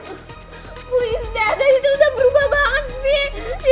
please dad itu udah berubah banget sih